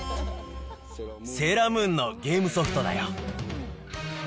セーラームーンのゲームソフトだよ。